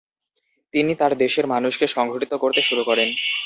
তিনি তার দেশের মানুষকে সংগঠিত করতে শুরু করেন।